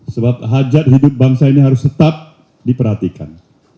sebab hajat hidup bangsa ini harus tetap diperhatikan